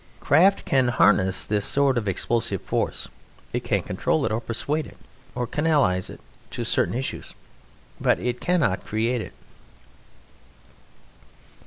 Craft can harness this sort of explosive force, it can control it, or persuade it, or canalize it to certain issues, but it cannot create it.